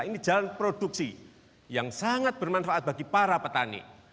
ini jalan produksi yang sangat bermanfaat bagi para petani